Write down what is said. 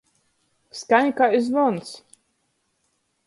Skaņ kai zvons.